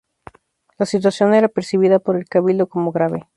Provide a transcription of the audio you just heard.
La situación era percibida por el Cabildo como grave.